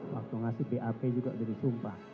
waktu ngasih bap juga udah disumpah